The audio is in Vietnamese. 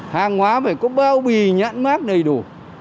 hàng hóa phải có bao bì nhãn mát đầy đủ